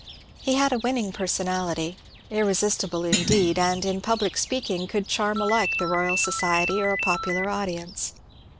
He had a winning personality, irre sistible indeed, and in public speaking could charm alike the Royal Society or a popular audience.